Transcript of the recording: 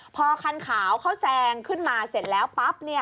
พอคันขาวเขาแซงขึ้นมาเสร็จแล้วปั๊บ